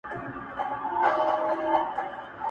• پوهنتون د میني ولوله که غواړې..